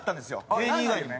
芸人以外でね。